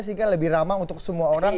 sehingga lebih ramah untuk semua orang